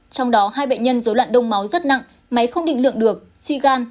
trong đó hai bệnh nhân dối loạn đông máu rất nặng máy không định lượng được si gan